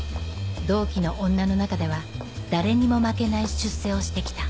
同期の女の中では誰にも負けない出世をして来た